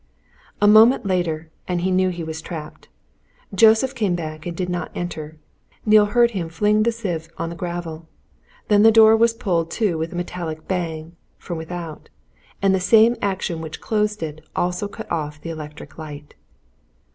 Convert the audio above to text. A moment later, and he knew he was trapped. Joseph came back and did not enter. Neale heard him fling the sieve on the gravel. Then the door was pulled to with a metallic bang, from without, and the same action which closed it also cut off the electric light.